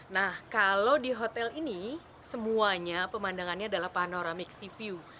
nah kalau di hotel ini semuanya pemandangannya adalah panoramic sea view